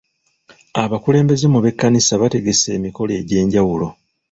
Abakulembeze mu b'ekkanisa bategese emikolo egy'enjawulo.